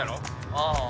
ああ